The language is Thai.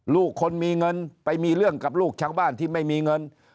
ลูกคนมีเงินไปมีเรื่องกับลูกชาวบ้านที่ไม่มีเงิน